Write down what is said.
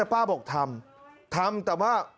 ป้าบอกทำทำแต่ว่า